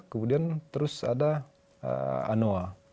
kemudian terus ada anoa